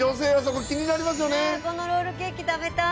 このロールケーキ食べたい。